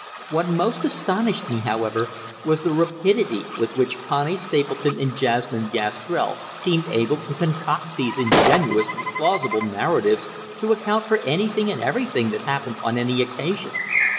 What most astonished me, however, was the rapidity with which Connie Stapleton and Jasmine Gastrell seemed able to concoct these ingenious and plausible narratives to account for anything and everything that happened on any occasion.